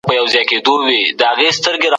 ایا زه باید خپل ملګري سره مرسته وکړم؟